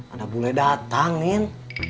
ada bule datang niel